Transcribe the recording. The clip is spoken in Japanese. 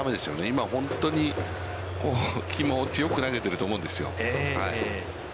今、本当に気持ちよく投げていると思うんですよ。